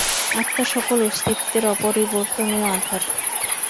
আত্মা সকল অস্তিত্বের অপরিবর্তনীয় আধার।